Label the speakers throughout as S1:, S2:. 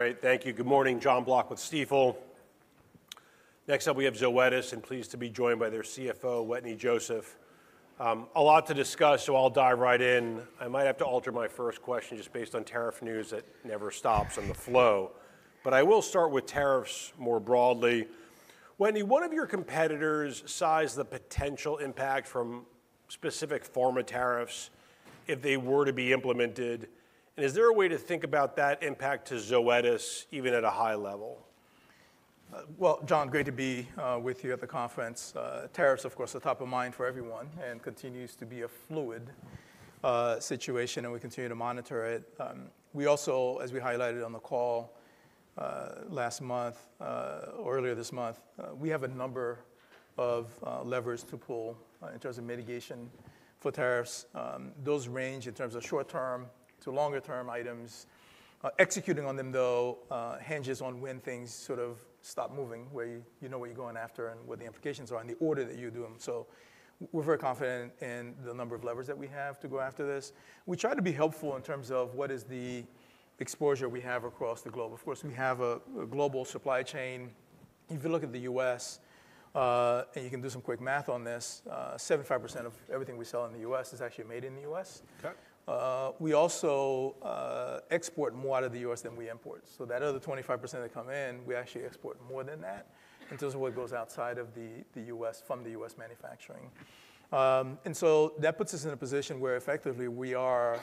S1: Great. Thank you. Good morning. Jon Block with Stifel. Next up, we have Zoetis, and pleased to be joined by their CFO, Wetteny Joseph. A lot to discuss, so I'll dive right in. I might have to alter my first question just based on tariff news that never stops on the flow. I will start with tariffs more broadly. Wetteny, one of your competitors sized the potential impact from specific pharma tariffs if they were to be implemented. Is there a way to think about that impact to Zoetis, even at a high level?
S2: John, great to be with you at the conference. Tariffs, of course, are top of mind for everyone and continue to be a fluid situation, and we continue to monitor it. We also, as we highlighted on the call last month or earlier this month, we have a number of levers to pull in terms of mitigation for tariffs. Those range in terms of short-term to longer-term items. Executing on them, though, hinges on when things sort of stop moving, where you know what you're going after and what the implications are and the order that you do them. We are very confident in the number of levers that we have to go after this. We try to be helpful in terms of what is the exposure we have across the globe. Of course, we have a global supply chain. If you look at the U.S., and you can do some quick math on this, 75% of everything we sell in the U.S. is actually made in the U.S. We also export more out of the U.S. than we import. That other 25% that come in, we actually export more than that in terms of what goes outside of the U.S. from the U.S. manufacturing. That puts us in a position where effectively we are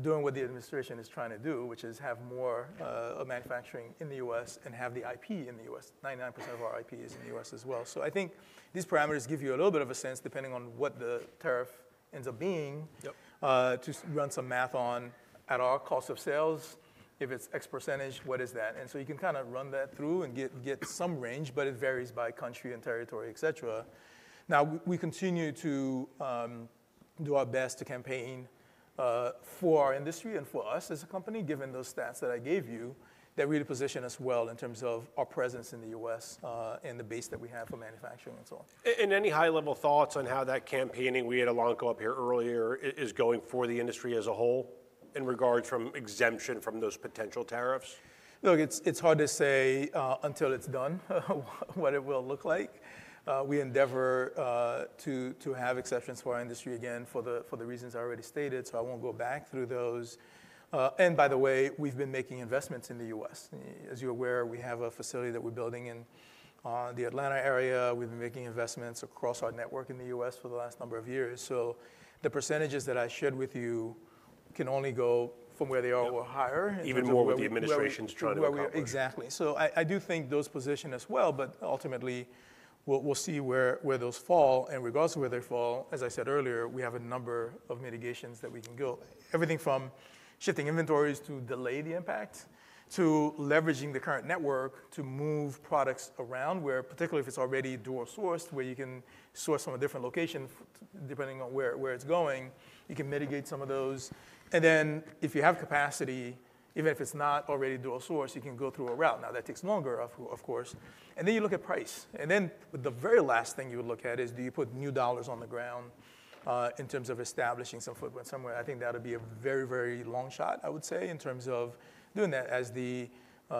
S2: doing what the administration is trying to do, which is have more manufacturing in the U.S. and have the IP in the U.S. 99% of our IP is in the U.S. as well. I think these parameters give you a little bit of a sense depending on what the tariff ends up being to run some math on at our cost of sales. If it's X %, what is that? You can kind of run that through and get some range, but it varies by country and territory, et cetera. We continue to do our best to campaign for our industry and for us as a company, given those stats that I gave you, that really position us well in terms of our presence in the U.S. and the base that we have for manufacturing and so on.
S1: Any high-level thoughts on how that campaigning we had a long go up here earlier is going for the industry as a whole in regards from exemption from those potential tariffs?
S2: Look, it's hard to say until it's done what it will look like. We endeavor to have exceptions for our industry again for the reasons I already stated, so I won't go back through those. By the way, we've been making investments in the U.S. As you're aware, we have a facility that we're building in the Atlanta area. We've been making investments across our network in the U.S. for the last number of years. The percentages that I shared with you can only go from where they are or higher.
S1: Even more with the administration's trying to.
S2: Exactly. I do think those position as well, but ultimately, we'll see where those fall. Regardless of where they fall, as I said earlier, we have a number of mitigations that we can go. Everything from shifting inventories to delay the impact to leveraging the current network to move products around were particularly if it's already dual sourced, where you can source from a different location depending on where it's going, you can mitigate some of those. If you have capacity, even if it's not already dual sourced, you can go through a route. That takes longer, of course. You look at price. The very last thing you would look at is do you put new dollars on the ground in terms of establishing some footprint somewhere. I think that would be a very, very long shot, I would say, in terms of doing that as the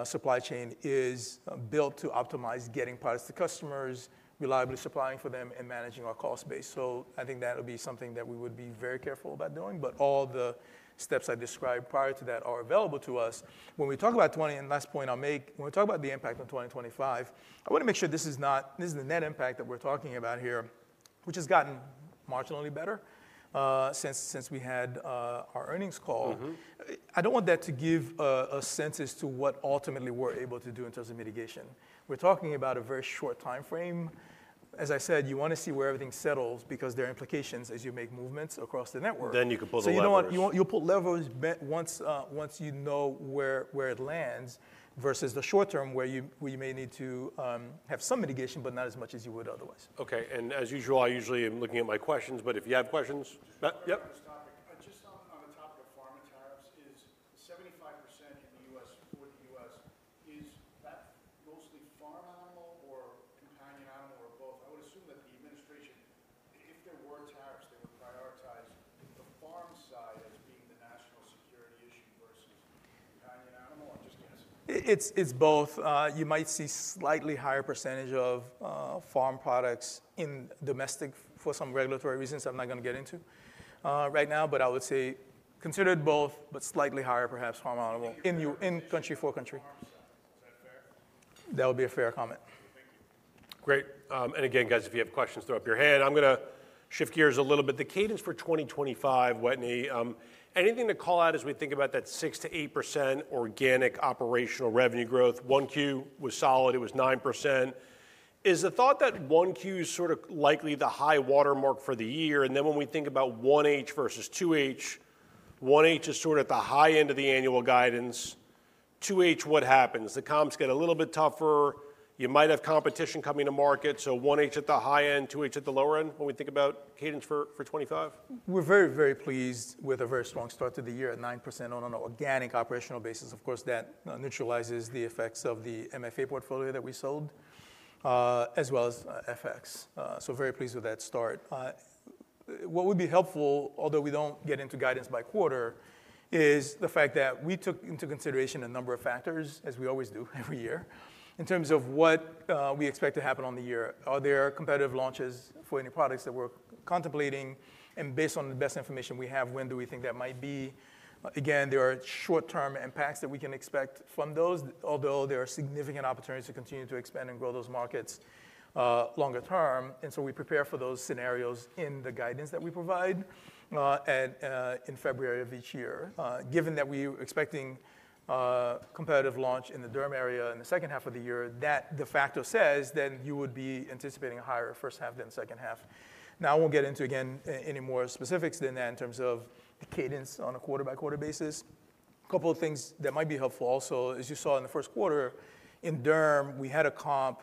S2: supply chain is built to optimize getting products to customers, reliably supplying for them, and managing our cost base. I think that would be something that we would be very careful about doing. All the steps I described prior to that are available to us. When we talk about, 20, last point I'll make, when we talk about the impact on 2025, I want to make sure this is not, this is the net impact that we're talking about here, which has gotten marginally better since we had our earnings call. I don't want that to give a sense as to what ultimately, we're able to do in terms of mitigation. We're talking about a very short time frame. As I said, you want to see where everything settles because there are implications as you make movements across the network.
S1: You can pull the levers.
S2: You know what? You'll pull levers once you know where it lands versus the short term where you may need to have some mitigation, but not as much as you would otherwise.
S1: Okay. As usual, I usually am looking at my questions, but if you have questions, yep.
S3: Just on the topic of pharma tariffs, is 75% in the U.S. for the U.S., is that mostly farm animal or companion animal or both? I would assume that the administration, if there were tariffs, they would prioritize the farm side as being the national security issue versus companion animal. I'm just guessing.
S2: It's both. You might see slightly higher % of farm products in domestic for some regulatory reasons I'm not going to get into right now, but I would say consider both, but slightly higher perhaps farm animal in country for country.
S3: Farm stock. Is that fair?
S2: That would be a fair comment.
S3: Thank you.
S1: Great. Again, guys, if you have questions, throw up your hand. I'm going to shift gears a little bit. The cadence for 2025, Wetteny, anything to call out as we think about that 6-8% organic operational revenue growth? 1Q was solid. It was 9%. Is the thought that 1Q is sort of likely the high watermark for the year? When we think about 1H versus 2H, 1H is sort of at the high end of the annual guidance. 2H, what happens? The comps get a little bit tougher. You might have competition coming to market. 1H at the high end, 2H at the lower end when we think about cadence for 2025?
S2: We're very, very pleased with a very strong start to the year at 9% on an organic operational basis. Of course, that neutralizes the effects of the MFA portfolio that we sold as well as FX. So very pleased with that start. What would be helpful, although we don't get into guidance by quarter, is the fact that we took into consideration a number of factors, as we always do every year, in terms of what we expect to happen on the year. Are there competitive launches for any products that we're contemplating? And based on the best information we have, when do we think that might be? Again, there are short-term impacts that we can expect from those, although there are significant opportunities to continue to expand and grow those markets longer term. We prepare for those scenarios in the guidance that we provide in February of each year. Given that we are expecting a competitive launch in the dermatology area in the second half of the year, that de facto says you would be anticipating a higher first half than second half. Now, I won't get into again any more specifics than that in terms of the cadence on a quarter-by-quarter basis. A couple of things that might be helpful also, as you saw in the first quarter, in dermatology, we had a comp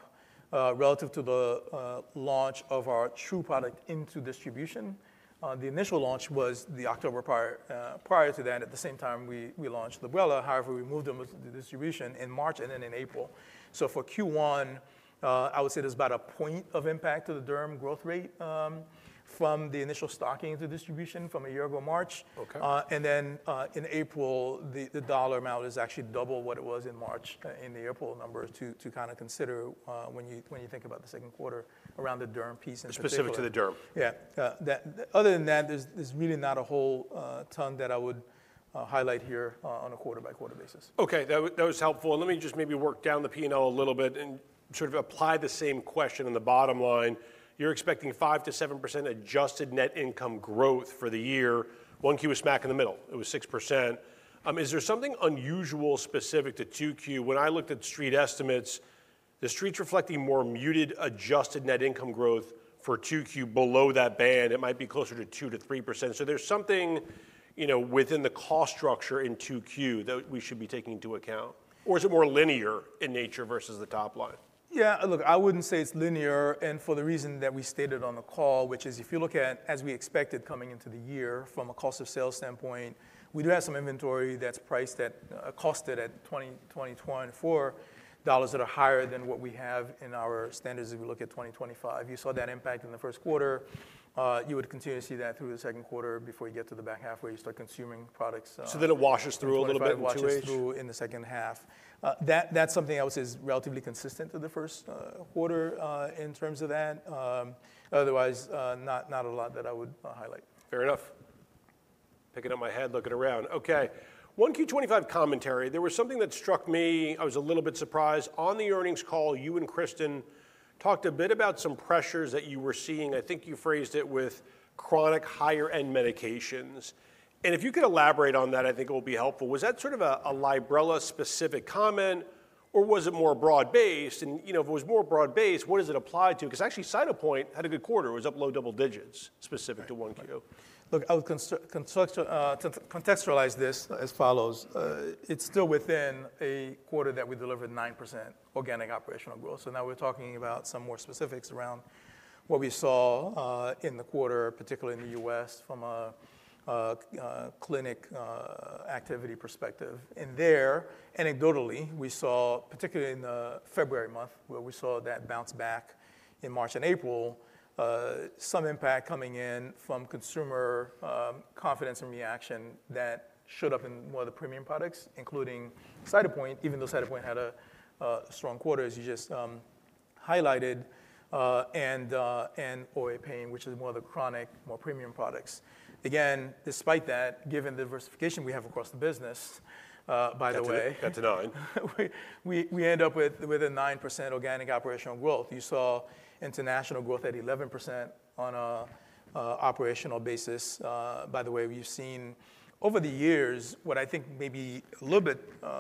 S2: relative to the launch of our true product into distribution. The initial launch was the October prior to that. At the same time, we launched Librela. However, we moved them to distribution in March and then in April. For Q1, I would say there's about a point of impact to the Durham growth rate from the initial stocking into distribution from a year ago March. In April, the dollar amount is actually double what it was in March in the April number to kind of consider when you think about the second quarter around the Durham piece.
S1: Specific to the Durham.
S2: Yeah. Other than that, there's really not a whole ton that I would highlight here on a quarter-by-quarter basis.
S1: Okay. That was helpful. Let me just maybe work down the P&L a little bit and sort of apply the same question in the bottom line. You're expecting 5-7% adjusted net income growth for the year. 1Q was smack in the middle. It was 6%. Is there something unusual specific to 2Q? When I looked at street estimates, the street's reflecting more muted adjusted net income growth for 2Q below that band, it might be closer to 2-3%. Is there something within the cost structure in 2Q that we should be taking into account? Or is it more linear in nature versus the top line?
S2: Yeah. Look, I would not say it is linear. For the reason that we stated on the call, which is if you look at, as we expected coming into the year from a cost of sales standpoint, we do have some inventory that is priced at, costed at $20, $24 that are higher than what we have in our standards if we look at 2025. You saw that impact in the first quarter. You would continue to see that through the second quarter before you get to the back half where you start consuming products.
S1: Then it washes through a little bit.
S2: It washes through in the second half. That something else is relatively consistent to the first quarter in terms of that. Otherwise, not a lot that I would highlight.
S1: Fair enough. Picking up my head, looking around. Okay. 1Q '25 commentary. There was something that struck me. I was a little bit surprised. On the earnings call, you and Kristin talked a bit about some pressures that you were seeing. I think you phrased it with chronic higher-end medications. And if you could elaborate on that, I think it will be helpful. Was that sort of a Librela-specific comment, or was it more broad-based? And if it was more broad-based, what does it apply to? Because actually Cytopoint had a good quarter. It was up low double digits specific to 1Q.
S2: Look, I would contextualize this as follows. It's still within a quarter that we delivered 9% organic operational growth. Now we're talking about some more specifics around what we saw in the quarter, particularly in the U.S. from a clinic activity perspective. There, anecdotally, we saw, particularly in February month, where we saw that bounce back in March and April, some impact coming in from consumer confidence and reaction that showed up in more of the premium products, including Cytopoint, even though Cytopoint had a strong quarter as you just highlighted, and OA Pain, which is more of the chronic, more premium products. Again, despite that, given the diversification we have across the business, by the way.
S1: Got to know it.
S2: We end up with a 9% organic operational growth. You saw international growth at 11% on an operational basis. By the way, we've seen over the years, what I think maybe a little bit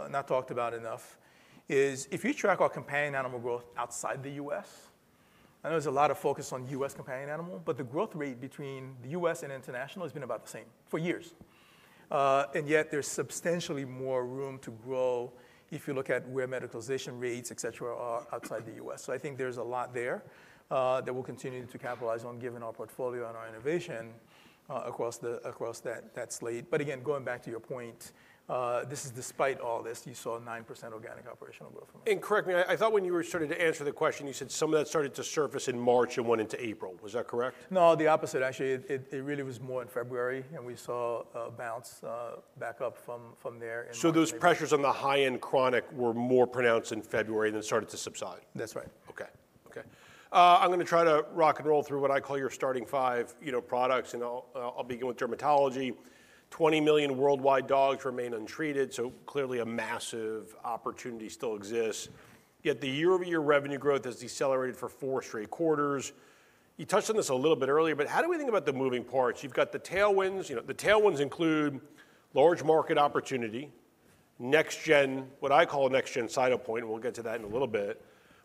S2: not talked about enough is if you track our companion animal growth outside the U.S., I know there's a lot of focus on U.S. companion animal, but the growth rate between the U.S. and international has been about the same for years. Yet there's substantially more room to grow if you look at where medicalization rates, et cetera, are outside the U.S. I think there's a lot there that we'll continue to capitalize on given our portfolio and our innovation across that slate. Again, going back to your point, this is despite all this, you saw 9% organic operational growth.
S1: Correct me, I thought when you were starting to answer the question, you said some of that started to surface in March and went into April. Was that correct?
S2: No, the opposite. Actually, it really was more in February, and we saw a bounce back up from there.
S1: Those pressures on the high-end chronic were more pronounced in February and then started to subside.
S2: That's right.
S1: Okay. Okay. I'm going to try to rock and roll through what I call your starting five products. I'll begin with dermatology. Twenty million worldwide dogs remain untreated. Clearly a massive opportunity still exists. Yet the year-over-year revenue growth has decelerated for four straight quarters. You touched on this a little bit earlier, but how do we think about the moving parts? You've got the tailwinds. The tailwinds include large market opportunity, next-gen, what I call next-gen Cytopoint. We'll get to that in a little bit.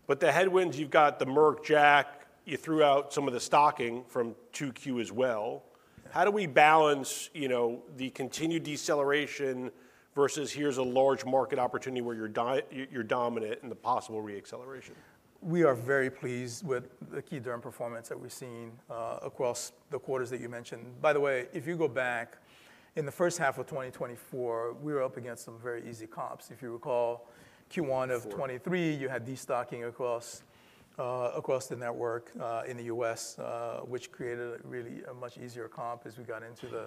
S1: The headwinds, you've got the Merck, Jack. You threw out some of the stocking from 2Q as well. How do we balance the continued deceleration versus here's a large market opportunity where you're dominant and the possible re-acceleration?
S2: We are very pleased with the key Durham performance that we've seen across the quarters that you mentioned. By the way, if you go back in the first half of 2024, we were up against some very easy comps. If you recall Q1 of 2023, you had destocking across the network in the U.S., which created really a much easier comp as we got into the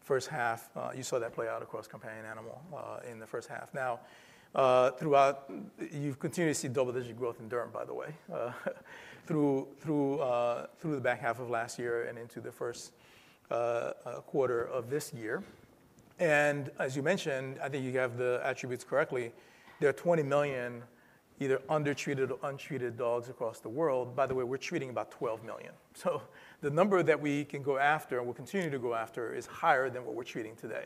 S2: first half. You saw that play out across companion animal in the first half. Throughout, you've continued to see double-digit growth in Durham, by the way, through the back half of last year and into the first quarter of this year. As you mentioned, I think you have the attributes correctly. There are 20 million either undertreated or untreated dogs across the world. By the way, we're treating about 12 million. The number that we can go after and we'll continue to go after is higher than what we're treating today.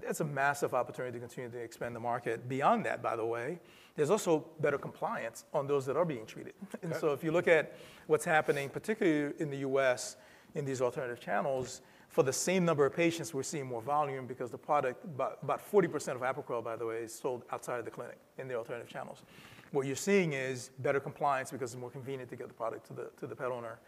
S2: That's a massive opportunity to continue to expand the market. Beyond that, by the way, there's also better compliance on those that are being treated. If you look at what's happening, particularly in the U.S. in these alternative channels, for the same number of patients, we're seeing more volume because the product, about 40% of Apoquel, by the way, is sold outside of the clinic in the alternative channels. What you're seeing is better compliance because it's more convenient to get the product to the pet owner,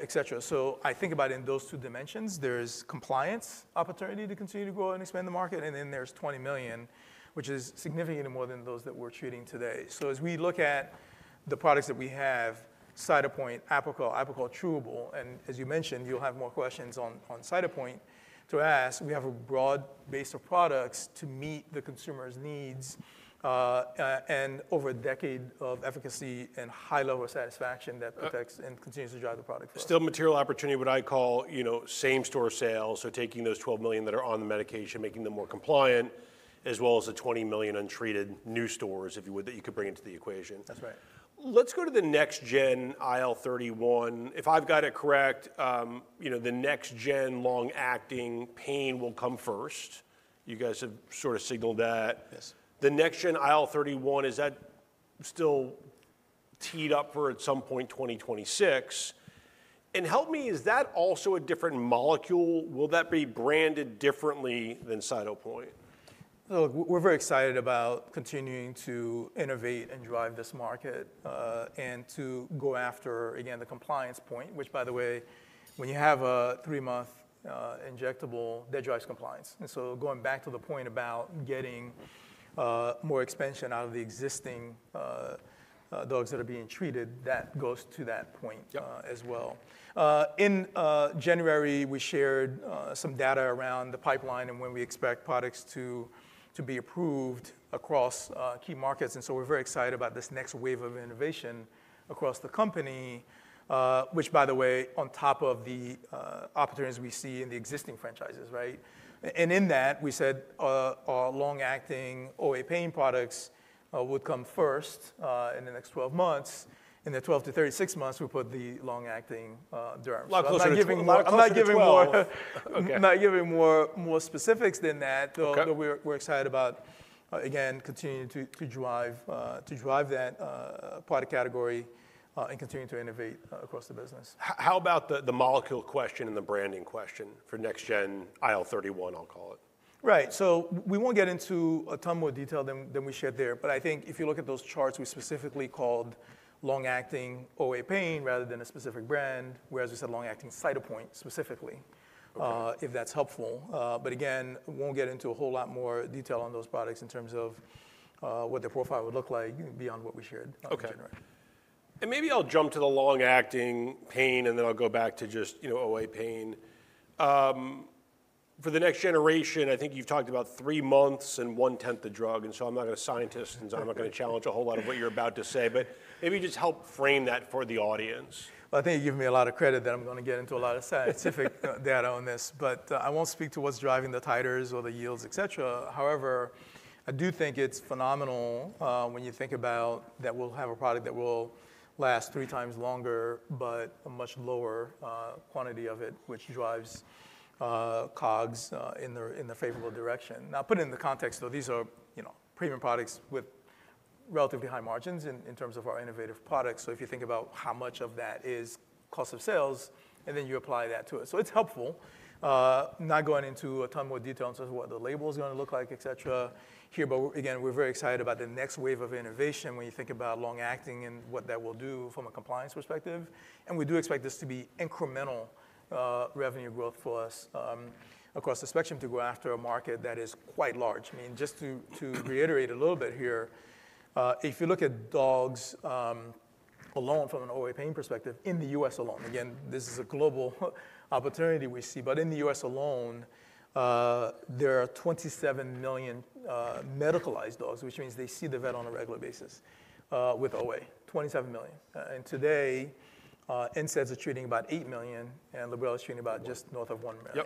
S2: et cetera. I think about it in those two dimensions. There's compliance opportunity to continue to grow and expand the market. Then there's 20 million, which is significantly more than those that we're treating today. As we look at the products that we have, Cytopoint, Apoquel, Apoquel Chewable, and as you mentioned, you'll have more questions on Cytopoint to ask. We have a broad base of products to meet the consumer's needs and over a decade of efficacy and high level of satisfaction that protects and continues to drive the product forward.
S1: Still material opportunity, what I call same-store sales. Taking those 12 million that are on the medication, making them more compliant, as well as the 20 million untreated new stores, if you would, that you could bring into the equation.
S2: That's right.
S1: Let's go to the next-gen IL-31. If I've got it correct, the next-gen long-acting pain will come first. You guys have sort of signaled that. The next-gen IL-31, is that still teed up for at some point 2026? Help me, is that also a different molecule? Will that be branded differently than Cytopoint?
S2: Look, we're very excited about continuing to innovate and drive this market and to go after, again, the compliance point, which, by the way, when you have a three-month injectable, that drives compliance. Going back to the point about getting more expansion out of the existing dogs that are being treated, that goes to that point as well. In January, we shared some data around the pipeline and when we expect products to be approved across key markets. We're very excited about this next wave of innovation across the company, which, by the way, is on top of the opportunities we see in the existing franchises, right? In that, we said our long-acting OA Pain products would come first in the next 12 months. In the 12 to 36 months, we put the long-acting Durham.
S1: I'm not giving more specifics than that, but we're excited about, again, continuing to drive that product category and continuing to innovate across the business. How about the molecule question and the branding question for next-gen IL-31, I'll call it?
S2: Right. We won't get into a ton more detail than we shared there. I think if you look at those charts, we specifically called long-acting OA Pain rather than a specific brand, whereas we said long-acting Cytopoint specifically, if that's helpful. Again, we won't get into a whole lot more detail on those products in terms of what their profile would look like beyond what we shared in January.
S1: Maybe I'll jump to the long-acting pain, and then I'll go back to just OA Pain. For the next generation, I think you've talked about three months and one tenth a drug. I'm not a scientist, and I'm not going to challenge a whole lot of what you're about to say, but maybe just help frame that for the audience.
S2: I think you've given me a lot of credit that I'm going to get into a lot of scientific data on this, but I won't speak to what's driving the titers or the yields, et cetera. However, I do think it's phenomenal when you think about that we'll have a product that will last three times longer, but a much lower quantity of it, which drives COGS in the favorable direction. Now, put it in the context of these are premium products with relatively high margins in terms of our innovative products. If you think about how much of that is cost of sales, and then you apply that to it. It's helpful. Not going into a ton more detail in terms of what the label is going to look like, et cetera, here. Again, we're very excited about the next wave of innovation when you think about long-acting and what that will do from a compliance perspective. We do expect this to be incremental revenue growth for us across the spectrum to go after a market that is quite large. I mean, just to reiterate a little bit here, if you look at dogs alone from an OA Pain perspective in the U.S. alone, this is a global opportunity we see. In the U.S. alone, there are 27 million medicalized dogs, which means they see the vet on a regular basis with OA, 27 million. Today, NSAIDs are treating about 8 million, and Librela is treating about just north of 1 million.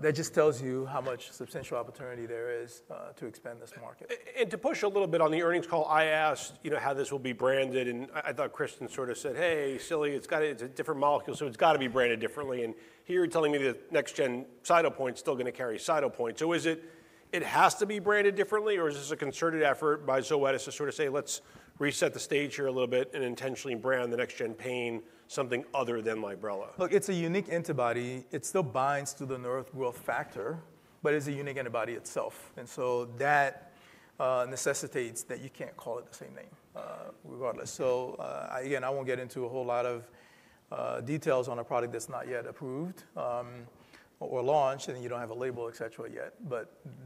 S2: That just tells you how much substantial opportunity there is to expand this market.
S1: To push a little bit on the earnings call, I asked how this will be branded. I thought Kristin sort of said, "Hey, silly, it's got a different molecule, so it's got to be branded differently." Here you're telling me the next-gen Cytopoint is still going to carry Cytopoint. Is it has to be branded differently, or is this a concerted effort by Zoetis to sort of say, "Let's reset the stage here a little bit and intentionally brand the next-gen pain something other than Librela?
S2: Look, it's a unique antibody. It still binds to the nerve growth factor, but it's a unique antibody itself. That necessitates that you can't call it the same name regardless. Again, I won't get into a whole lot of details on a product that's not yet approved or launched, and you don't have a label, et cetera, yet.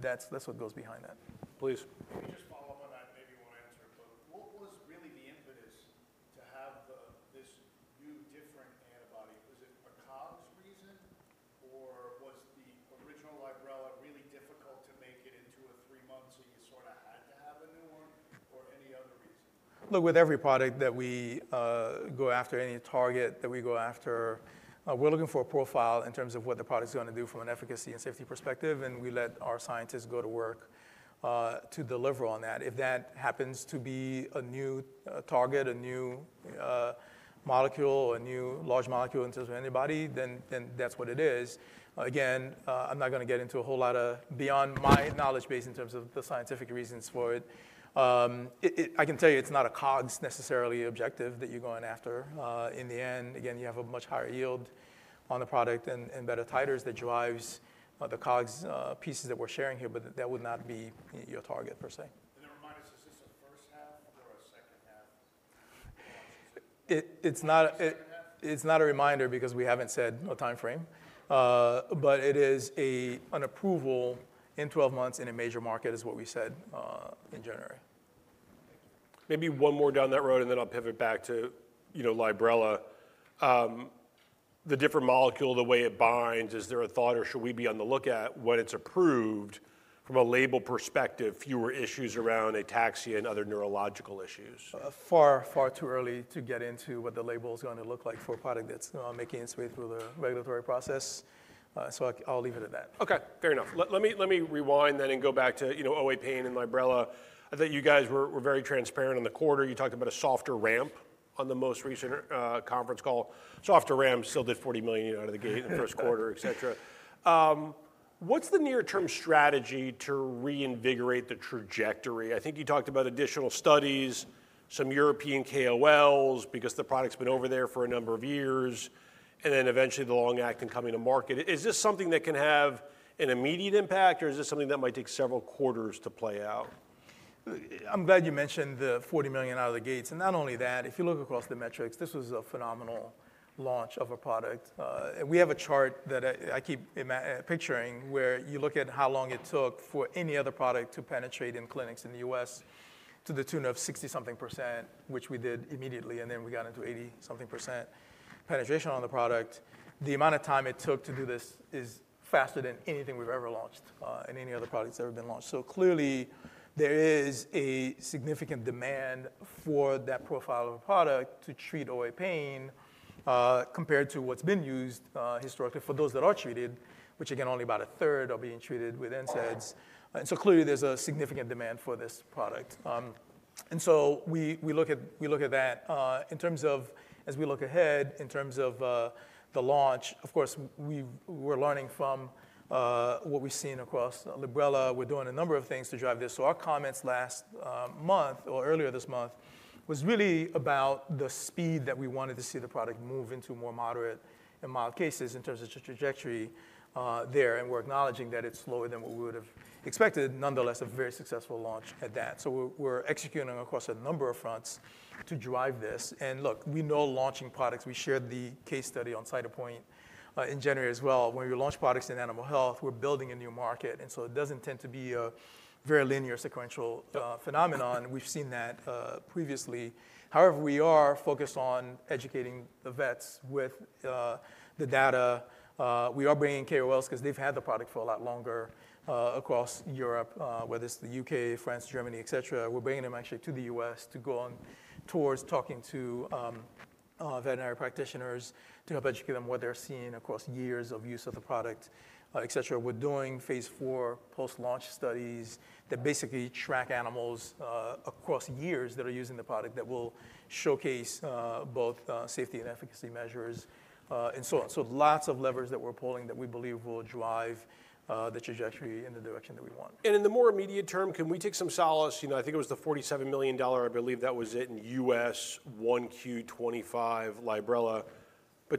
S2: That's what goes behind that.
S1: Please.
S3: Maybe just follow up on that, maybe you won't answer it, but what was really the impetus to have this new different antibody? Was it a COGS reason, or was the original Librela really difficult to make it into a three-month, so you sort of had to have a new one, or any other reason?
S2: Look, with every product that we go after, any target that we go after, we're looking for a profile in terms of what the product is going to do from an efficacy and safety perspective. We let our scientists go to work to deliver on that. If that happens to be a new target, a new molecule, a new large molecule in terms of antibody, then that's what it is. Again, I'm not going to get into a whole lot of beyond my knowledge base in terms of the scientific reasons for it. I can tell you it's not a COGS necessarily objective that you're going after. In the end, again, you have a much higher yield on the product and better titers that drives the COGS pieces that we're sharing here, but that would not be your target per se.
S3: Is this a first half or a second half?
S2: It's not a reminder because we haven't said a timeframe. It is an approval in 12 months in a major market is what we said in January.
S1: Maybe one more down that road, and then I'll pivot back to Librela. The different molecule, the way it binds, is there a thought, or should we be on the lookout when it's approved from a label perspective, fewer issues around ataxia and other neurological issues?
S2: Far, far too early to get into what the label is going to look like for a product that's making its way through the regulatory process. I'll leave it at that.
S1: Okay. Fair enough. Let me rewind then and go back to OA Pain and Librela. I thought you guys were very transparent on the quarter. You talked about a softer ramp on the most recent conference call. Softer ramp still did $40 million out of the gate in the first quarter, et cetera. What's the near-term strategy to reinvigorate the trajectory? I think you talked about additional studies, some European KOLs because the product's been over there for a number of years, and then eventually the long-acting coming to market. Is this something that can have an immediate impact, or is this something that might take several quarters to play out?
S2: I'm glad you mentioned the $40 million out of the gates. Not only that, if you look across the metrics, this was a phenomenal launch of a product. I have a chart that I keep picturing where you look at how long it took for any other product to penetrate in clinics in the U.S. to the tune of 60-something %, which we did immediately, and then we got into 80-something % penetration on the product. The amount of time it took to do this is faster than anything we've ever launched and any other products that have been launched. Clearly, there is a significant demand for that profile of a product to treat OA Pain compared to what's been used historically for those that are treated, which again, only about a third are being treated with NSAIDs. Clearly, there's a significant demand for this product. We look at that in terms of, as we look ahead, in terms of the launch. Of course, we're learning from what we've seen across Librela. We're doing a number of things to drive this. Our comments last month or earlier this month were really about the speed that we wanted to see the product move into more moderate and mild cases in terms of trajectory there. We're acknowledging that it's slower than what we would have expected. Nonetheless, a very successful launch at that. We're executing across a number of fronts to drive this. We know launching products, we shared the case study on Cytopoint in January as well. When we launch products in animal health, we're building a new market. It does not tend to be a very linear sequential phenomenon. We have seen that previously. However, we are focused on educating the vets with the data. We are bringing KOLs because they have had the product for a lot longer across Europe, whether it is the U.K., France, Germany, et cetera. We are bringing them actually to the U.S. to go on tours talking to veterinary practitioners to help educate them on what they are seeing across years of use of the product, et cetera. We are doing phase four post-launch studies that basically track animals across years that are using the product that will showcase both safety and efficacy measures and so on. Lots of levers that we are pulling that we believe will drive the trajectory in the direction that we want.
S1: In the more immediate term, can we take some solace? I think it was the $47 million, I believe that was it in U.S., one Q25 Librella.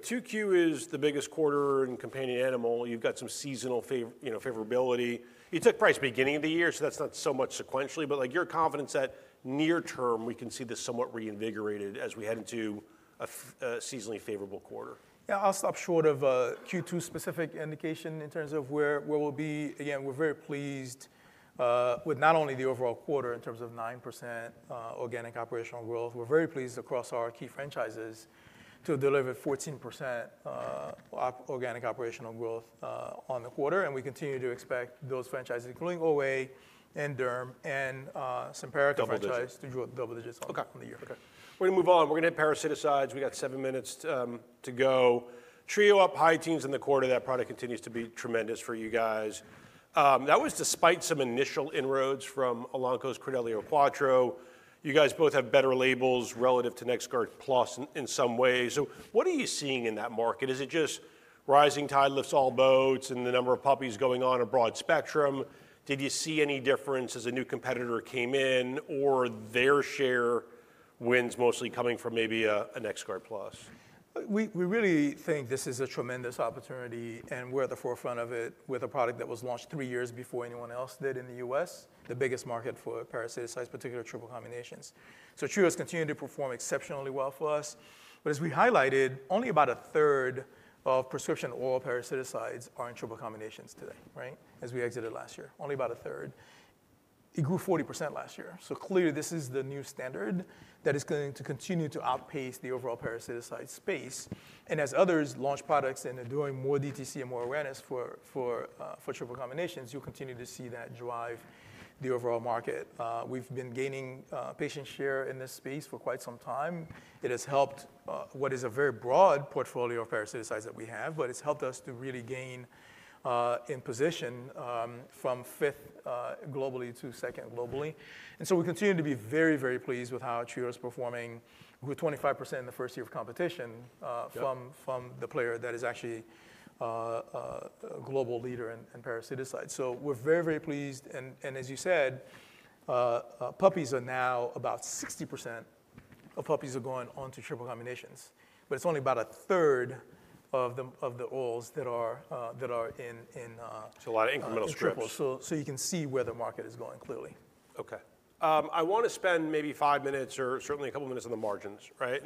S1: Two Q is the biggest quarter in companion animal. You've got some seasonal favorability. You took price beginning of the year, so that's not so much sequentially. Your confidence that near term, we can see this somewhat reinvigorated as we head into a seasonally favorable quarter.
S2: Yeah, I'll stop short of Q2 specific indication in terms of where we'll be. Again, we're very pleased with not only the overall quarter in terms of 9% organic operational growth. We're very pleased across our key franchises to deliver 14% organic operational growth on the quarter. We continue to expect those franchises, including OA and Derm and some parasiticide franchise, to draw double digits on the year.
S1: Okay. We're going to move on. We're going to hit parasiticides. We got seven minutes to go. Trio up high teens in the quarter. That product continues to be tremendous for you guys. That was despite some initial inroads from Elanco's Credelio Quattro. You guys both have better labels relative to NexGard Plus in some ways. What are you seeing in that market? Is it just rising tide lifts all boats and the number of puppies going on a broad spectrum? Did you see any difference as a new competitor came in, or are their share wins mostly coming from maybe a NexGard Plus?
S2: We really think this is a tremendous opportunity, and we're at the forefront of it with a product that was launched three years before anyone else did in the U.S., the biggest market for parasiticides, particularly triple combinations. So Trio has continued to perform exceptionally well for us. But as we highlighted, only about a third of prescription oral parasiticides are in triple combinations today, right, as we exited last year. Only about a third. It grew 40% last year. Clearly, this is the new standard that is going to continue to outpace the overall parasiticide space. As others launch products and are doing more DTC and more awareness for triple combinations, you'll continue to see that drive the overall market. We've been gaining patient share in this space for quite some time. It has helped what is a very broad portfolio of parasiticides that we have, but it's helped us to really gain in position from fifth globally to second globally. It has helped us to really gain in position from fifth globally to second globally. We continue to be very, very pleased with how Trio is performing. We were 25% in the first year of competition from the player that is actually a global leader in parasiticides. We are very, very pleased. As you said, puppies are now about 60% of puppies are going onto triple combinations. It's only about a third of the orals that are in.
S1: It's a lot of incremental strips.
S2: You can see where the market is going clearly.
S1: Okay. I want to spend maybe five minutes or certainly a couple of minutes on the margins, right?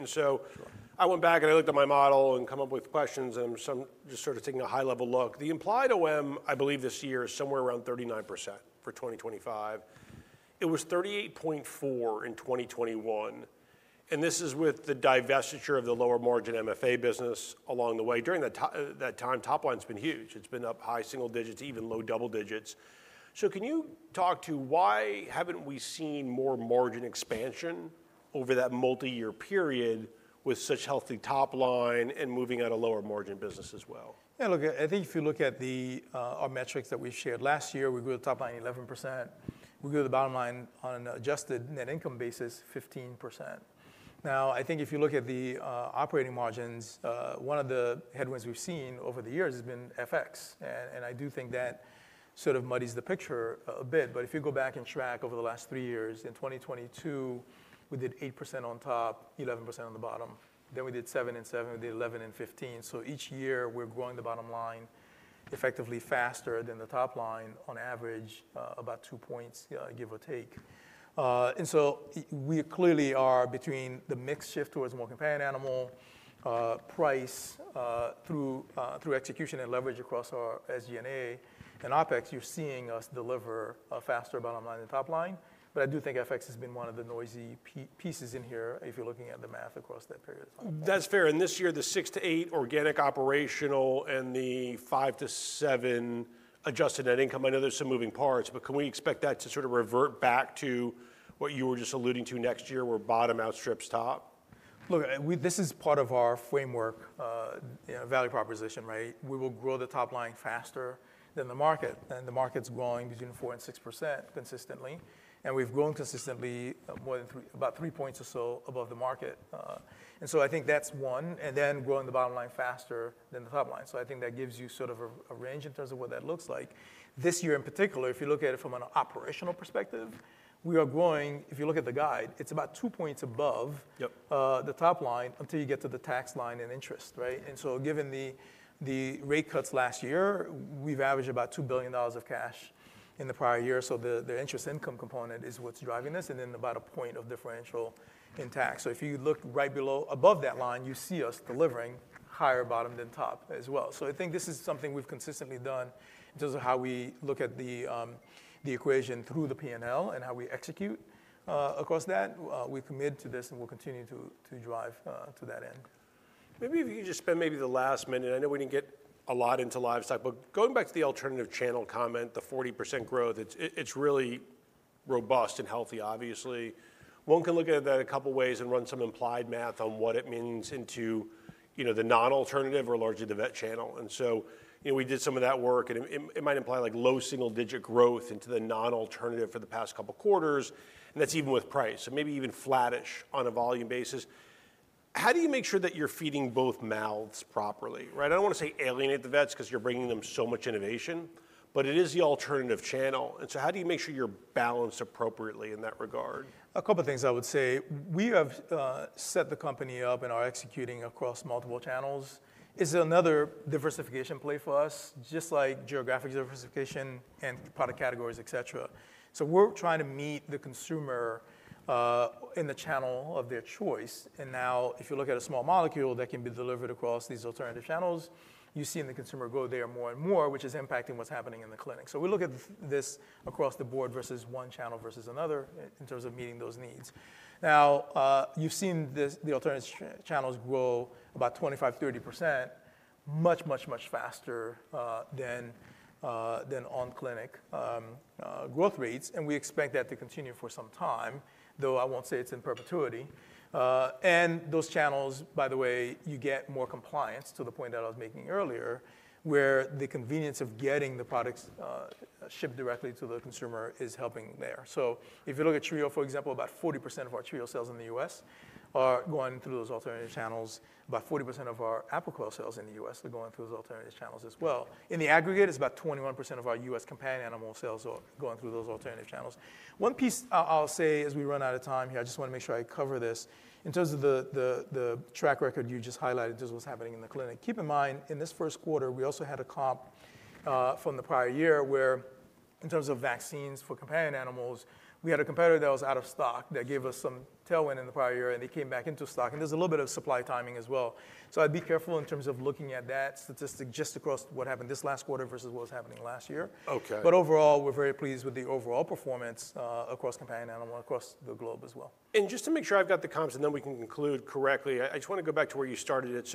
S1: I went back and I looked at my model and come up with questions, and I'm just sort of taking a high-level look. The implied OM, I believe this year is somewhere around 39% for 2025. It was 38.4% in 2021. This is with the divestiture of the lower margin MFA business along the way. During that time, top line's been huge. It's been up high single digits, even low double digits. Can you talk to why haven't we seen more margin expansion over that multi-year period with such healthy top line and moving out of lower margin business as well?
S2: Yeah, look, I think if you look at our metrics that we shared last year, we grew the top line 11%. We grew the bottom line on an adjusted net income basis, 15%. Now, I think if you look at the operating margins, one of the headwinds we've seen over the years has been FX. I do think that sort of muddies the picture a bit. If you go back and track over the last three years, in 2022, we did 8% on top, 11% on the bottom. Then we did 7% and 7%, we did 11% and 15%. Each year we're growing the bottom line effectively faster than the top line on average, about two points, give or take. We clearly are between the mixed shift towards more companion animal, price through execution and leverage across our SG&A and OpEx, you're seeing us deliver a faster bottom line than top line. I do think FX has been one of the noisy pieces in here if you're looking at the math across that period of time.
S1: That's fair. This year, the 6-8% organic operational and the 5-7% adjusted net income, I know there's some moving parts, but can we expect that to sort of revert back to what you were just alluding to next year where bottom outstrips top?
S2: Look, this is part of our framework, value proposition, right? We will grow the top line faster than the market. The market's growing between 4% and 6% consistently. We've grown consistently about three points or so above the market. I think that's one. Growing the bottom line faster than the top line, I think that gives you sort of a range in terms of what that looks like. This year in particular, if you look at it from an operational perspective, we are growing, if you look at the guide, it's about two points above the top line until you get to the tax line and interest, right? Given the rate cuts last year, we've averaged about $2 billion of cash in the prior year. The interest income component is what's driving us and then about a point of differential in tax. If you look right below above that line, you see us delivering higher bottom than top as well. I think this is something we've consistently done in terms of how we look at the equation through the P&L and how we execute across that. We commit to this and we'll continue to drive to that end.
S1: Maybe if you could just spend maybe the last minute, I know we did not get a lot into livestock, but going back to the alternative channel comment, the 40% growth, it is really robust and healthy, obviously. One can look at it that a couple of ways and run some implied math on what it means into the non-alternative or largely the vet channel. We did some of that work, and it might imply low single-digit growth into the non-alternative for the past couple of quarters. That is even with price. Maybe even flattish on a volume basis. How do you make sure that you are feeding both mouths properly, right? I do not want to say alienate the vets because you are bringing them so much innovation, but it is the alternative channel. How do you make sure you are balanced appropriately in that regard?
S2: A couple of things I would say. We have set the company up and are executing across multiple channels. It is another diversification play for us, just like geographic diversification and product categories, et cetera. We are trying to meet the consumer in the channel of their choice. Now, if you look at a small molecule that can be delivered across these alternative channels, you see the consumer grow there more and more, which is impacting what is happening in the clinic. We look at this across the board versus one channel versus another in terms of meeting those needs. You have seen the alternative channels grow about 25%-30%, much, much, much faster than on-clinic growth rates. We expect that to continue for some time, though I will not say it is in perpetuity. Those channels, by the way, you get more compliance to the point that I was making earlier where the convenience of getting the products shipped directly to the consumer is helping there. If you look at Trio, for example, about 40% of our Trio sales in the U.S. are going through those alternative channels. About 40% of our Apoquel sales in the U.S. are going through those alternative channels as well. In the aggregate, it's about 21% of our U.S. companion animal sales are going through those alternative channels. One piece I'll say as we run out of time here, I just want to make sure I cover this. In terms of the track record you just highlighted in terms of what's happening in the clinic, keep in mind in this first quarter, we also had a comp from the prior year where in terms of vaccines for companion animals, we had a competitor that was out of stock that gave us some tailwind in the prior year, and they came back into stock. There is a little bit of supply timing as well. I would be careful in terms of looking at that statistic just across what happened this last quarter versus what was happening last year. Overall, we are very pleased with the overall performance across companion animal across the globe as well.
S1: Just to make sure I've got the comps and then we can conclude correctly, I just want to go back to where you started it.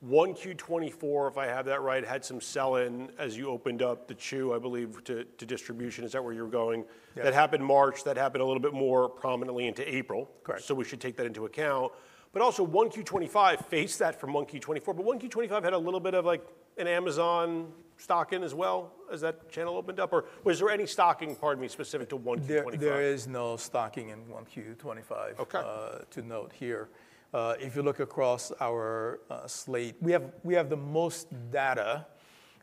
S1: One Q24, if I have that right, had some sell-in as you opened up the chew, I believe, to distribution. Is that where you were going? That happened March. That happened a little bit more prominently into April. We should take that into account. Also, one Q25 faced that from one Q24. One Q25 had a little bit of like an Amazon stock-in as well as that channel opened up? Or was there any stocking, pardon me, specific to one Q25?
S2: There is no stocking in one Q2 5 to note here. If you look across our slate, we have the most data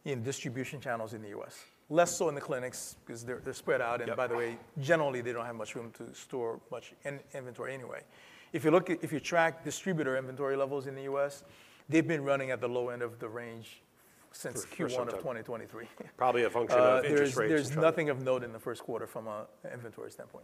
S2: in distribution channels in the U.S.. Less so in the clinics because they're spread out. And by the way, generally they don't have much room to store much inventory anyway. If you track distributor inventory levels in the U.S., they've been running at the low end of the range since Q1 of 2023.
S1: Probably a function of interest rates.
S2: There's nothing of note in the first quarter from an inventory standpoint.